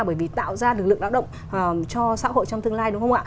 bởi vì tạo ra lực lượng lao động cho xã hội trong tương lai đúng không ạ